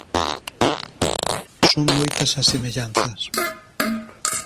Son moitas as semellanzas.